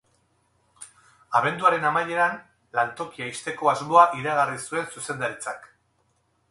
Abenduaren amaieran, lantokia ixteko asmoa iragarri zuen zuzendaritzak.